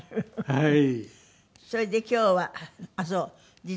はい。